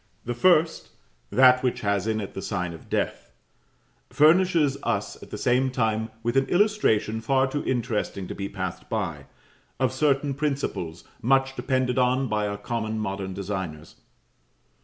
The first, that which has in it the sign of death, furnishes us at the same time with an illustration far too interesting to be passed by, of certain principles much depended on by our common modern designers.